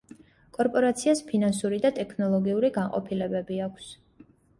კორპორაციას ფინანსური და ტექნოლოგიური განყოფილებები აქვს.